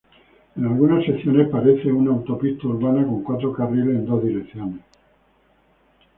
En algunas secciones, parece una autopista urbana con cuatro carriles en dos direcciones.